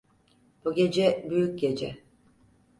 Bu gece büyük gece.